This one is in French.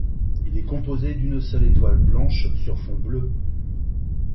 Il est composé d'une seule étoile blanche sur fond bleu.